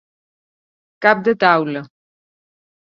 Cap de taula.